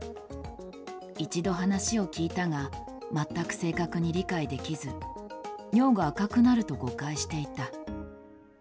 一度話を聞いたが、全く正確に理解できず、尿が赤くなると誤解していた。